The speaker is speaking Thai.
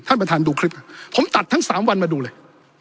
ท่านประธานดูคลิปผมตัดทั้งสามวันมาดูเลย